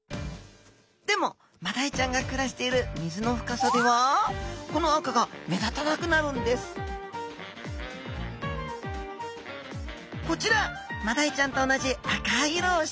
でもマダイちゃんが暮らしている水の深さではこの赤が目立たなくなるんですこちらマダイちゃんと同じ赤い色をしたエビスダイちゃん。